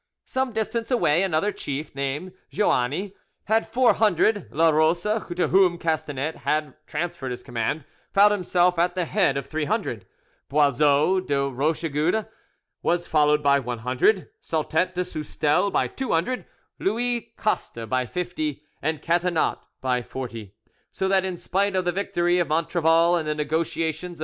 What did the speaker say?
Some distance away, another chief, named Joanny, had four hundred; Larose, to whom Castanet had transferred his command, found himself at the head of three hundred; Boizeau de Rochegude was followed by one hundred, Saltet de Soustel by two hundred, Louis Coste by fifty, and Catinat by forty, so that, in spite of the victory of Montrevel and the negotiations of M.